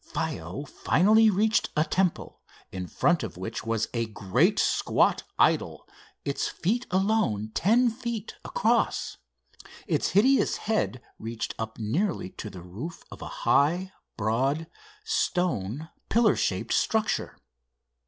Faiow finally reached a temple, in front of which was a great squat idol, its feet alone ten feet across. Its hideous head reached up nearly to the roof of a high, broad, stone pillar shaped structure.